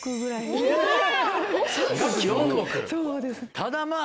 ただまぁ。